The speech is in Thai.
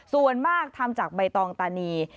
ส่วนมากทำจากใบตองตานี